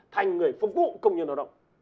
thành người phục vụ công nhân lao động